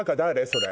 それ。